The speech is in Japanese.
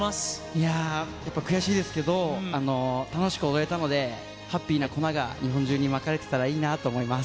いやー、やっぱ悔しいですけど、楽しく踊れたので、ハッピーな粉が日本中にまかれてたらいいなと思います。